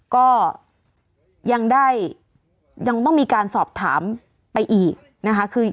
ก็ยังได้ยังต้องมีการสอบถามไปอีกนะคะคือ